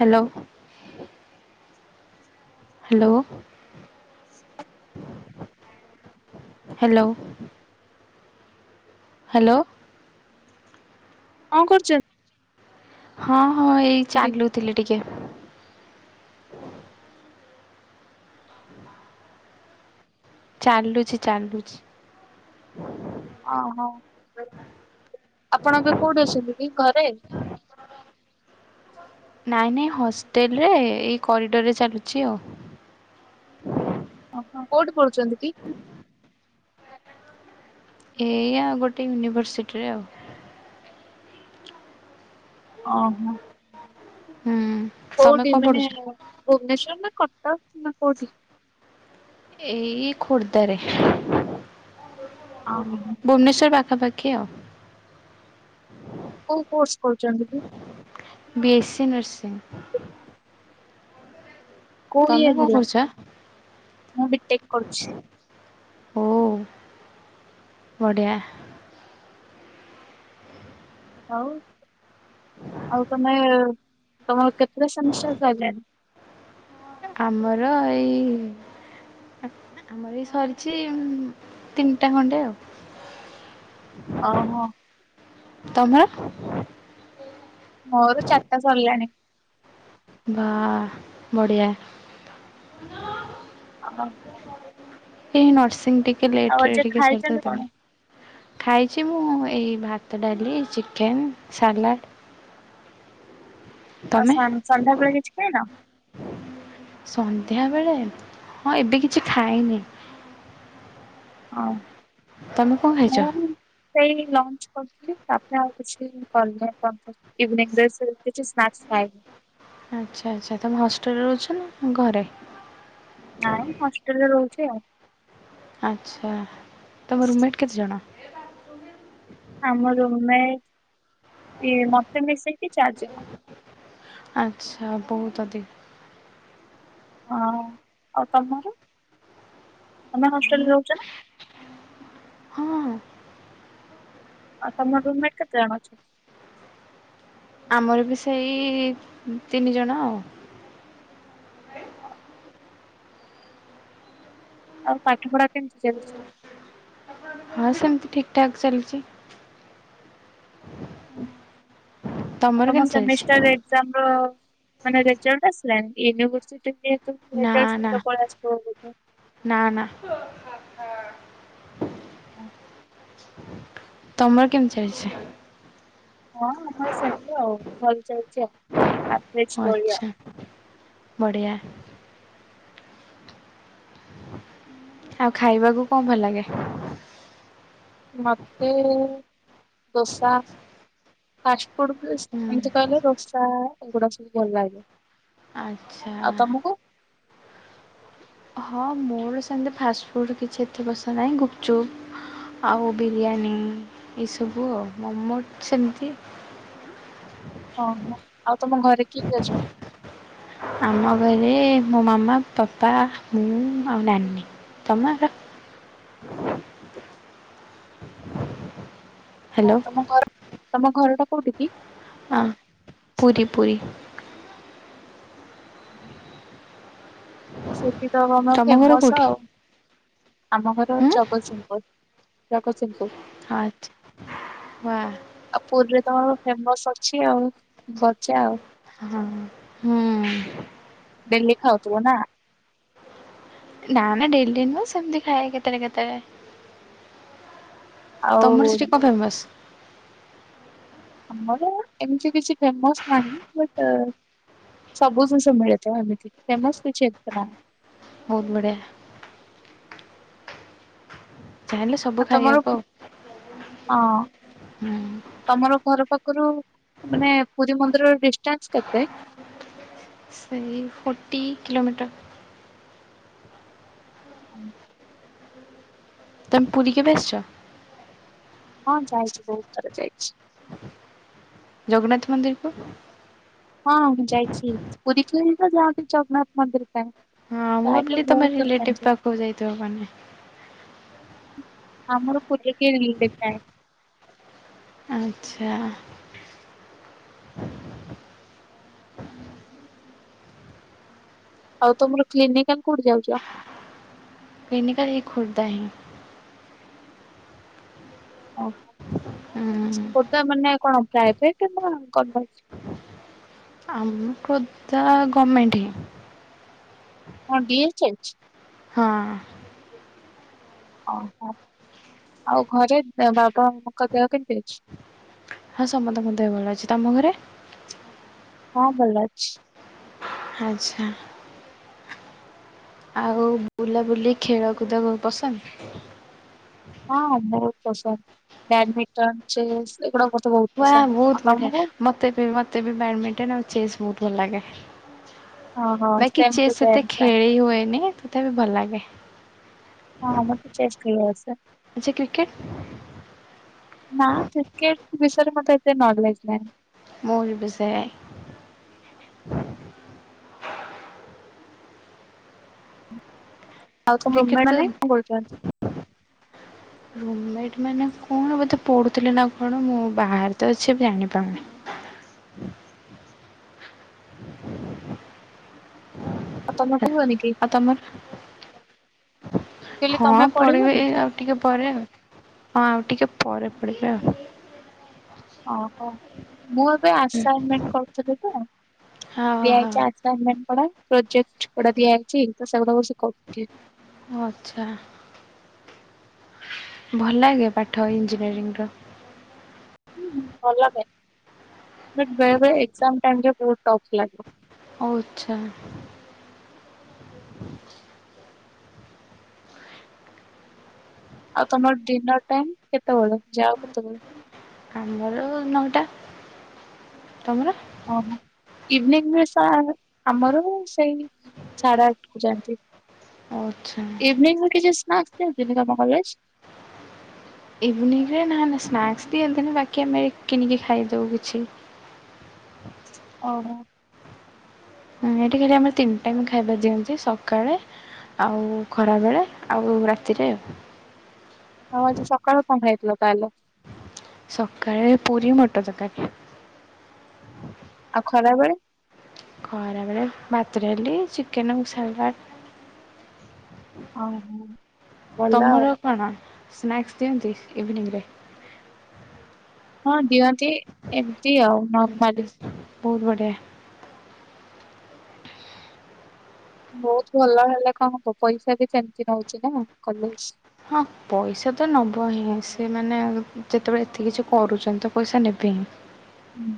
Hello. Hello hello. Hello. କଣ କରୁଚନ୍ତି? ହଁ-ହଁ ଏଇ ଚାଲୁଥିଲି ଟିକେ। ଚାଲୁଛି-ଚାଲୁଛି। ଓହୋ ଆପଣ ଏବେ କୋଉଠି ଅଛନ୍ତି କି ଘରେ? ନାଇଁ-ନାଇଁ ହଷ୍ଟେଲ୍ ରେ ଏଇ କରିଡ଼ରରେ ଚାଲୁଚି ଆଉ। ଓହୋ କୋଉଠି ପଢୁଚନ୍ତି କି? ଏଇ ଆ ଗୋଟେ ୟୁନିଭର୍ସିଟିରେ ଆଉ। ଓହୋ। ହୁଁ। ତମେ କୋଉଠି କଣ ମାନେ ପଢ଼ୁଛ? ଭୁବନେଶ୍ଵର ନା କଟକ ନା କୋଉଠି? ଏଇ ଖୋର୍ଦ୍ଦାରେ ଭୁବନେଶ୍ଵର ପାଖାପା ଖି ଆଉ। କୋଉ କୋର୍ସ କରୁଚନ୍ତି କି? B S C nursing. କୋଉ ତମେ ଇୟର କଣ ହେଲା? କରୁଚ? ମୁଁ ବିଟେକ୍ କରୁଛି। ହଉ ବଢ଼ିଆ। ହଉ ଆଉ ତମେ ତମର କେତେଟା ସେମିଷ୍ଟର ସଇଲାଣି? ଆମର ଏଇ ଆମର ଏଇ ସରିଛି ତିନିଟା ଖଣ୍ଡେ ଆଉ। ଓ ହୋ। ତମର? ମୋର ଚାରିଟା ସରିଲାଣି। ବା ବଢ଼ିଆ। [unintelligible] ଏ ନର୍ସିଂ ଟିକେ ଆଉ ଲେଟରେ ଆଜି ଟିକେ ଖାଇଛନ୍ତି ସରିଥା କଣ? ସେଥିପାଇଁ। ଖାଇଛି ମୁଁ ଏଇ ଭାତ ଡାଲି ଚିକେନ୍ ସାଲାଡ଼ ଆଉ। ତମେ? ସାନ-ସନ୍ଧ୍ୟାବେଳେ କିଛି ଖାଇନ? ସନ୍ଧ୍ୟାବେଳେ ହଁ ଏବେ କିଛି ଖାଇନି। ହଁ। ତମେ କଣ ଖାଇଛ? ସେଇ ଲଞ୍ଚ କରିଥିଲି ତାପରେ ଆଉ କିଛି କରିନ ଇଭିନିଂ ଦ ସେ କିଛି ସ୍ନାକ୍ସ ଖାଏ। ଆଚ୍ଛା ଆଚ୍ଛା ତମେ ହଷ୍ଟେଲରେ ରହୁଛ ନା ଘରେ? ନାଇଁ ହଷ୍ଟେଲରେ ରହୁଛି ଆଉ। ଆଚ୍ଛା ତୁମ ରୁମ୍ମେଟ୍ କେତେଜଣ? ଆମ ରୁମ୍ମେଟ ଇଏ ମୋତେ ମିସେଇକି ଚାରିଜଣ। ଆଚ୍ଛା ବହୁତ ଅଧିକ। ହଁ ଆଉ ତମର? ତମେ ହଷ୍ଟେଲରେ ରହୁଛ ନା? ହଁ। ଆଉ ତମର ରୁମ୍ମେଟ କେତେ ଜଣ ଅଛନ୍ତି? ଆମର ବି ସେଇ ତିନି ଜଣ ଆଉ। [unintelligible] ଆଉ ପାଠ ପଢା କେମିତି ଚାଲିଛି? ହଁ ସେମିତି ଠିକ୍ ଠାକ୍ ଚାଲିଚି। ଆଉ ତମର ତମ କେମିତି ଚାଲିଛି? ସେମିଷ୍ଟାର ଏକ୍ସାମ ର ମାନେ ରେଜଲ୍ଟ ଆସିଲାନି ୟୁନିଭରସିଟି ନା ଜ ନା ସୁଧା ପଳା [unintelligible] ନା ନା। ତମର କେମିତି ଚାଲିଚି? ହଁ ଆମର ସେମିତି ଆଉ ଭଲ ଚାଲିଚି ଆଉ ଆ ଆଚ୍ଛା ବଢ଼ିଆ। ଆଉ ଖାଇବାକୁ କଣ ଭଲ ଲାଗେ? ମୋତେ- ଦୋସା। ଫାଷ୍ଟଫୁଡ ବି ହୁଁ। ଏମିତି କହିଲେ ରୋଷାଏଗୁଡା ସବୁ ଭଲ ଲାଗେ। ଆଚ୍ଛା। ଆଉ ତମକୁ? ହଁ ମୋର ସେମିତି ଫାଷ୍ଟଫୁଡ଼୍ କିଛି ଏତେ ପସନ୍ଦ ନାହିଁ ଗୁପଚୁପ୍ ଆଉ ବିରିୟାନୀ ଏସବୁ ଆଉ ମୋମୋ ସେମିତି ହ ମ ଆଉ ତମ ଘରେ କିଏ କି ଅଛନ୍ତି? ଆମ ଘରେ ମୋ ମାମା ପପା ମୁଁ ଆଉ ନାନୀ ତମର? ହଁ ହ୍ୟାଲୋ ତମ ଘର ତମ ଘରଟା କୋଉଠି କି? ହଁ ପୁରୀ ପୁରୀ। [inaudible] ସେଠି ତ ମୋମୋ ତମ ଘର ଫେମସ କୋଉଠି? ଆଉ। ଆମ ଘର ହୁଁ ଜଗତସିଂହପୁର ଜଗତସିଂହପୁର। ଆଛା। ୱା। ଆଉ ପୁରୀରେ ତ ଫେମସ ଅଛି ଆଉ ଗଜା ଆଉ। ହଁ। ହୁଁ। ଡେଲି ଖାଉଥିବ ନା? ନା ନା ଡେଲି ନୁହ ସେମିତି ଖାଏ କେତେବେଳେ କେତେବେଳେ। ଆଉ ତମର ସେଠି କଣ ଫେମସ୍? ଆମର ଏମିତି କିଛି ଫେମସ ନାହିଁ। ବଟ ସବୁ ଜିନିଷ ମିଳିଥିବ ଏମିତି ଫେମସ କିଛି ଏତ ନାହିଁ। ବହୁତ ବଢିଆ। ଯାହାହେଲେ ସବୁ ଆ ତମର ଖାଇହବ ହଁ। ଆଉ ହୁଁ ତମର ଘର ପାଖରୁ ମାନେ ପୁରୀ ମନ୍ଦିରର ଡିଷ୍ଟାନ୍ସ କେତେ? ସେଇ ଫୋର୍ଟି କିିଲୋମିଟର୍। [unintelligible] ତମେ ପୁରୀ କେବେ ଆସୁଛ? ହଁ ଯାଇଛି ବହୁତ ଥର ଯାଇଛି। ଜଗନ୍ନାଥ ମନ୍ଦିରକୁ। ହଁ ମୁଁ ଯାଇଛି ପୁରୀ କୁ ହିଁ ତ ଯାଆନ୍ତି ଜଗନ୍ନାଥ ମନ୍ଦିର ପାଇଁ। ହଁ ମୁଁ ପ୍ରାୟତଃ ବୋଲି ତମ ବହୁତ ଥର ରିଲେଟିଭ ଯାଇଛି। ପାଖକୁ ଯାଇଥିବ ମାନେ। ଆମର ପୁରି ରେ କିଏ ରିଲେଟିଭ ନାହିଁ। ଆଚ୍ଛା। ଆଉ ତମର କ୍ଲିନିକାଲ କଉଠି ଯାଉଛ? କ୍ଲିନିକାଲ ଏଇ ଖୋର୍ଦ୍ଧା ହିଁ। ଆଉ। ହୁଁ। ସେଟା ମାନେ କଣ ପ୍ରାଇଭେଟ ନା ଗମେଣ୍ଟ? ଖୋଦ୍ଦା ଗର୍ମେଣ୍ଟ। କ ଡୀ ଏଛ ଚାଲିଚି? ହଁ। ଓହୋ ଆଉ ଘରେ ବାବାଙ୍କ ଦେହ କେମତି ଅଛି? ହଁ ସମସ୍ତଙ୍କ ଦେହ ଭଲ ଅଛି, ତମ ଘରେ? ହଁ ଭଲ ଅଛି। ଆଚ୍ଛା। ଆଉ ବୁଲାବୁଲି ଖେଳକୁଦକୁ ପସନ୍ଦ। ହଁ ବହୁତ ପସନ୍ଦ ବ୍ୟାଡମିଣ୍ଟନ, ଚେସ, ଏଇଗୁଡା ପ ୱାଉ ବହୁତ ବଢିଆ ମତେ ବି ମତେ ବି ବ୍ୟାଡମିଣ୍ଟନ ଆଉ ଚେସ୍ ବହୁତ ଭଲ ଲାଗେ। ହଁ ହଁ ବାକି ସେମ୍ ଟୁ ଚେସ୍ ଏତେ ସେମ୍। ଖେଳି ହୁଏନି ତଥାପି ଭଲ ଲାଗେ। ହଁ ଆମ ତ ଚେସ୍ ଖେଳୁ ଆସେ। ଆଚ୍ଛା କ୍ରିକେଟ୍? ନା କ୍ରିକେଟ ବିଷୟରେ ମତେ ଏତେ ନଲେଜ୍ ନାହିଁ। ମୁଁ ବି ବିସେୟ। ଆଉତମ କ୍ରିକେଟ୍ [unintelligible] ତ କଣ କରୁଛନ୍ତି? ରୁମେଟ୍ ମାନେ କଣ ବୋଧେ ପଢୁଥିଲେ ନା କଣ ମୁଁ ବାହାରେ ତ ଅଛି ଜାଣିପାରୁନି? ତମ କୁହନି କି? ଆଉ ତମର? ମୁଁ କହିଲି ହଁ ତମେ ପଢିବେ ପଢିବନି ଏ କି ଆଉ ଟିକେ ପରେ ଆଉ ହଁ ଆଉ ଟିକେ ପରେ ପଢିବେ ଆଉ। ଓହୋ ମୁଁ ଏବେ ଆସାଇନମେଣ୍ଟ କରୁଥିଲି ତ। ହଁ ହଁ। ଆସାଇନମେଣ୍ଟ ପରେ ପ୍ରୋଜେକ୍ଟ ଗୁଡ଼ା ଦିଆଯାଇଛି ତ ସେଗୁରା ବସିକି କରୁଛି। ଓ ଆଛା। ଭଲ ଲାଗେ ପାଠ ଇଞ୍ଜିନିୟରିଂର? ହୁଁ ଭଲ ଲାଗେ? ବଟ ବଳେ ବେଳେ ଏକ୍ଜାମ ଟାଇମରେ ବହୁତ ଟପ୍ ଲାଗେ। ଓ୍ ଆଛା। ଆଉ ତମର ଡିନର ଟାଇମ କେତେବେଳେ ଯାଅ କେତେବେଳେ? ଆମର ନଅଟା। ତମର? ଓ ହୋ ଇଭିନିଙ୍ଗରେ ସା ଆମର ସେଇ ସାଢେ ଆଠକୁ ଯାଆନ୍ତି ଓ ଆଚ୍ଛା। ଇଭିନିଙ୍ଗରେ କିଛି ସ୍ନାକ୍ସ ଦିଅନ୍ତିନି ତମ କଲେଜ? ଇଭିନିଙ୍ଗରେ ନା ନା ସ୍ନାକ୍ସ ଦିଅନ୍ତିନି ବାକି ଆମେ କିଣିକି ଖାଇଦଉ କିଛି। ଓ ହୋ। ହଁ ଏଇଠି ଖାଲି ଆମର ତିନି ଟାଇମ ଖାଇବା ଦିଅନ୍ତି ସକାଳେ ଆଉ ଖରାବେଳେ ଆଉ ରାତିରେ। ଆଉ ଆଜି ସକାଳେ କଣ ଖାଇଥିଲ ତାହେଲେ? ସକାଳେ ପୁରୀ ମଟର ତରକାରୀ। ଆଉ ଖରାବେଳେ? ଖରାବେଳେ ଭାତ ଡାଲି ଚିକେନ କୁ ସାଲାଟ୍। ଆଉ ହଁ। ଭଲ ତମର କଣ ସ୍ନାକ୍ସ ଦିଅନ୍ତି ଇଭିନିଙ୍ଗରେ? ହଁ ଦିଅନ୍ତି ଏମତି ଆଉ। ଆଚ୍ଛା ନର୍ମାଲି। ବହୁତ ବଢିଆ। ବହୁତ ଭଲ ହେଲେ କଣ ହବ ପଇସା ବି ସେମତି ନଉଛି ନା କଲେଜ। ହଁ ପଇସା ତ ନବ ହିଁ ସେମାନେ ଯେତବଳେ ଏତେ କିଛି କରୁଛନ୍ତି ତ ପଇସା ନେବେ ହିଁ। ହୁଁ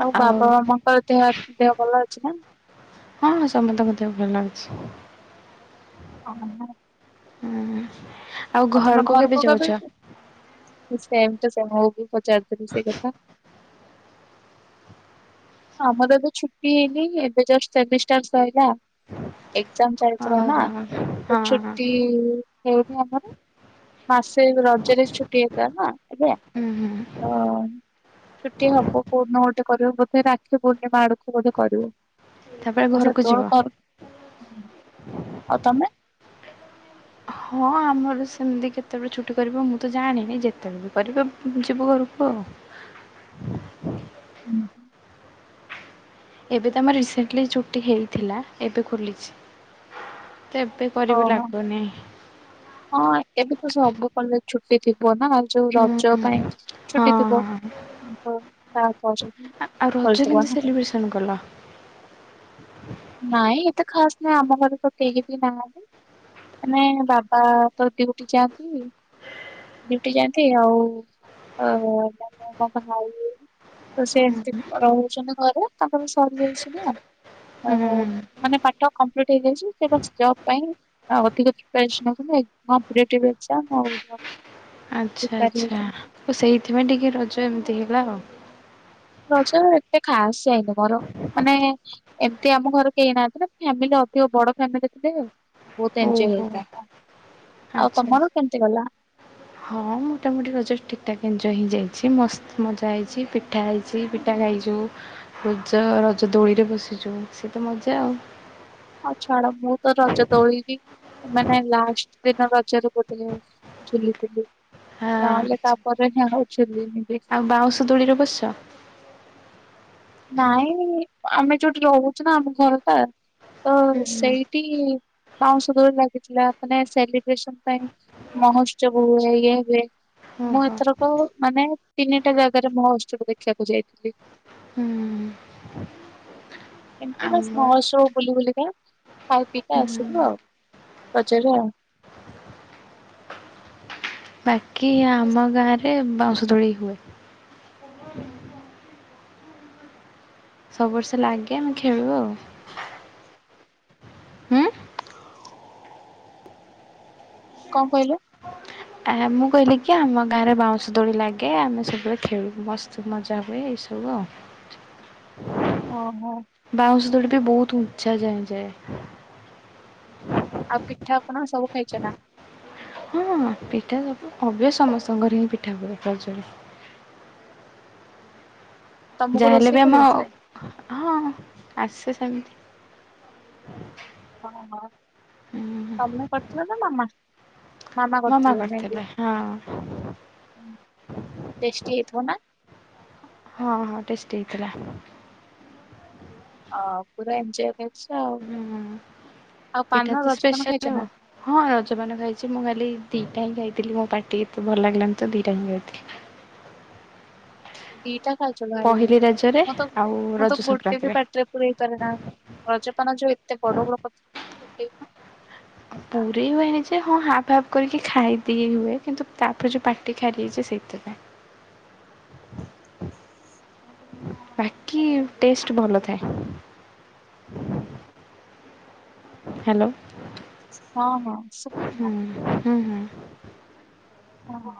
ଆଉ ବାବା ମାମାଙ୍କର ଦେହ ଦେହ ଭଲ ଅଛି ନା? ହଁଁ ହଁ ସମତଙ୍କ ଦେହ ଭଲ ଅଛି। [unintelligible] ଆଉ ତମେ ଘରକୁ କେବେ ସେମ୍ ଟୁ ସେମ ମୁଁ ବି ପଚାରୁଥିଲି ସେଇ କଥା। ଆମର ଏବେ ଛୁଟି ହେଇନି ଏବେ ଜଷ୍ଟ ସେମିଷ୍ଟାର ସଇଲା। ଏକଜାମ୍ ଚାଲିଥିଲା ଓହୋ ନା ହଁ ହଁ ତ ଛୁଟି ହେଇନି ଆମର ମାସେ ରଜରେ ଛୁଟି ହେଇଥିଲା ନା ଏବେ। ହୁଁ ହୁଁ। ତ ଛୁଟି ହବ କୋଉଦିନ ଗୋଟେ କରିବ ବୋଧେ ରା କ୍ଷୀ ପୂର୍ଣ୍ଣିମା ଆଡକୁ ବୋଧେ କରିବ ତାପରେ ତ ଘରକୁ ଯିବ। ସେତବଳେ କର ଆଉ ତମେ? ହଁ ଆମର ସେମତି କେତେବେଳେ ଛୁଟି କରିବ ମୁଁ ତ ଜାଣିନି ଯେତେବେଳେ ବି କରିବ ଯିବୁ ଘରକୁ ଆଉ। ଉଁ ଏବେ ତ ଆମର ରିସେଣ୍ଟଲି ଛୁଟି ହେଇଥିଲା ଏବେ ଖୋଲିଚି ତ ଏବେ ପରେ ବି ଓହୋ ଲାଗୁନି ହଁ ଏବେ ତ ସବୁ କଲେଜ ଛୁଟି ଥିବ ନା ଯୋଉ ହୁଁ ରଜ ପାଇଁ ହଁ ଛୁଟି ଥିବ। ହଁ। ତ ତାପରେ ଆ ଆଉ ରଜ ଖୋଲିଥିବ କେମତି ନା ସେଲିବ୍ରେସନ କଲ? ନାଇଁ ଏତେ ଖାସ୍ ନାଇଁ ଆମ ଘରେ ତ କେହି ବି ନାହାଁନ୍ତି ମାନେ ବାପା ତ ଡ୍ୟୁଟି ଯାଆନ୍ତି ଡ୍ୟୁଟି ଯାଆନ୍ତି ଆଉ ଆଉ [inaudible] ତ ସେ ଏମତି ରହୁଛନ୍ତି ଘରେ ତାଙ୍କର ବି ସରିଯାଇଛି ନା। ହୁଁ ମାନେ ପାଠ କମ୍ପ୍ଲିଟ ହେଇଯାଇଛି ସେ ବାସ ଜବ ପାଇଁ ଆଉ ଅଧିକ ପ୍ରିପାରେସନ ହଉଛନ୍ତି ହଁ ପ୍ରି ଟାଇଭ ଏକଜାମ୍ ଆଉ। ଆଚ୍ଛା ପ୍ରିପାର ଆଚ୍ଛା ହଉଛନ୍ତି। ଓ ସେଇଥିପାଇଁ ଟିକେ ରଜ ଏମିତି ହେଲା ଆଉ। ରଜ ଏତେ ଖାସ୍ ଯାଇନି ମୋର ମାନେ ଏମତି ଆମ ଘରେ କେହି ନାହାଁନ୍ତି ନା ଫ୍ୟାମିଲି ଅଧିକ ବଡ ଫ୍ୟାମିଲି ହେଇଥିଲେ ବହୁତ ଏଞ୍ଜୟ ଓହୋ ହେଇଥାନ୍ତା। ଆଉ ଆଚ୍ଛା ଆଚ୍ଛା। ତମର କେମତି ଗଲା? ହଁ ମୋଟାମୋଟି ରଜରେ ଠିକ୍ ଠାକ୍ ଏଞ୍ଜୟ୍ ହିଁ ଯାଇଚି ମସ୍ତ୍ ମଜା ହେଇଚି ପିଠା ହେଇଚି ପିଠା ଖାଇଚୁ ରଜ -ରଜ ଦୋଳିରେ ବସିଚୁ ସେ ତ ମଜା ଆଉ। ଆଉ ଛାଡ ମୁଁ ତ ରଜଦୋଳି ବି ମାନେ ଲାଷ୍ଟ୍ ଦିନ ରଜରେ ଗୋଟେ ଝୁଲିଥିଲି ହଁ ନହେଲେ ଆଚ୍ଛା ତାପରେ ହିଁ ଆଉ ଝୁଲିନି। ଆଉ ବାଉଁଶ ଦୋଳିରେ ବସିଚ? ନାଇଁ ଆମେ ଯଉଠି ରହୁଚୁ ନା ଆମ ଘର ଟା ହୁଁ ତ ହୁଁ ସେଇଠି ବାଉଁଶ ଦୋଳି ଲାଗିଥିଲା ମାନେ ସେଲିବ୍ରେସନ୍ ପାଇଁ। ମହୋତ୍ସବ ହୁଏ ଇଏ ହୁଏ। ମୁଁ ଓହୋ ଏଥରକ ମାନେ ତିନିଟା ଜାଗାରେ ମହୋତ୍ସବ ଦେଖିବାକୁ ଯାଇଥିଲି। ହୁଁ। ଏମିତି ବାସ୍ ଆମ ମହୋତ୍ସବ ବୁଲି ବୁଲିକା ଖାଇ ପିଇକା ଆସିଲୁ ଆଉ। ହୁଁ ରଜରେ ଆଉ। ବାକି ଆମ ଗାଁରେ ବାଉଁଶ ଦୋଳି ହୁଏ। ସବୁ ବର୍ଷ ଲାଗେ ଆମେ ଖେଳୁ ଆଉ। ହୁଁ କଣ୍ କହିଲେ? ଆ- ମୁଁ କହିଲି କି ଆମ ଗାଁରେ ବାଉଁଶ ଦୋଳି ଲାଗେ ଆମେ ସବୁବେଳେ ଖେଳୁ ମସ୍ତ୍ ମଜା ହୁଏ ଏସବୁ ଆଉ। ଓହୋ। ବାଉଁଶ ଦୋଳି ବି ବହୁତ୍ ଉଞ୍ଚା ଯାଏଁ ଯାଏ। ଆଉ ପିଠା ପଣା ସବୁ ଖାଇଚ ନା? ଆଉ ପିଠା ସବୁ ଅବ୍ୟ- ସମସ୍ତଙ୍କର ହିଁ ପିଠା ହୁଏ ରଜରେ। ତମକୁ ଯାହାହେଲେ ରୋଷେଇ ବି ଆମ କରି ଆସେ ହଁ- ଆସେ ସେମିତି। ଓ ହ ହୁଁ ତମେ କରିଥିଲ ନା ମାମା? ମାମା କରିଥିବେ ମେବି କରିଥିଲେ -ହଁ। ଟେଷ୍ଟି ହେଇଥିବ ନା? ହଁ -ହଁ ଟେଷ୍ଟି ହେଇଥିଲା। ଓ ପୁରା ଏଞ୍ଜୟ୍ କରିଚ ଆଉ ହୁଁ -ଆଉ ପିଠା ତ ପାନ ରଜ ପାନ ସ୍ପେଶାଲ ଖାଇଚ ଆଉ ନା? ହଁ ରଜ ପାନ ଖାଇଚି ମୁଁ ଖାଲି ଦିଟା ହିଁ ଖାଇଥିଲି ମୋ ପାଟି ଏତେ ଭଲ ଲାଗିଲାନି ତ ଦିଟା ହିଁ ଖାଇଥିଲି। ଦିଟା ଖାଇଚ ଭାଇ ପହିଲି ରଜରେ ମୁଁ ତ ଆଉ -ମୁଁ ରଜ ତ ଗୋଟେ ବି ସଂକ୍ରାନ୍ତିରେ। ପାଟିରେ ପୁରେଇ ପାରେନା ରଜ ପାନ ଯଉ ଏତେ ବଡ ବଡ ପତ୍ର ଖାଇପାରେ ପୁରେଇ ହୁଏନି ଯେ ହଁ ହାଫ୍ ହାଫ୍ କରିକି ଖାଇଦେଇ ହୁଏ କିନ୍ତୁ ତାପରେ ଯଉ ପାଟି ଖାରିଆ ହେଇଯାଏ ସେଇଥିପାଇଁ। ବାକି ଟେଷ୍ଟ୍ ଭଲ ଥାଏ। ହୁଁ। ହାଲୋ। ହଁ -ହଁ ଶୁଭୁଚି ନା? ହୁଁ -ହୁଁ। ହଁ ହଁ।